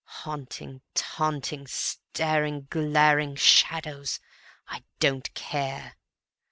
Haunting, taunting, staring, glaring, Shadows! I don't care.